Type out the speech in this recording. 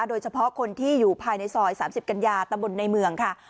โดยเฉพาะคนที่อยู่ภายในซอย๓๐กัญญาตำบลในเมืองค่ะ